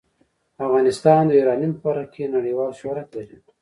افغانستان د یورانیم په برخه کې نړیوال شهرت لري.